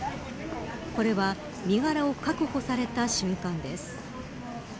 これは身柄を確保された瞬間です。